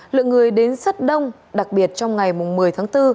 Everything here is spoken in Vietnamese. lượng người đến rất đông đặc biệt trong ngày một mươi tháng bốn